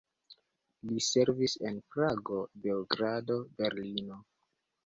Li servis en Prago, Beogrado, Berlino.